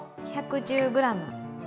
１１０ｇ。